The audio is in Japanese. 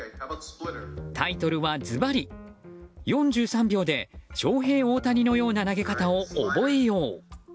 タイトルは、ずばり４３秒でショウヘイ・オオタニのような投げ方を覚えよう。